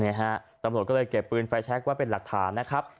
ฮะตำรวจก็เลยเก็บปืนไฟแชคไว้เป็นหลักฐานนะครับ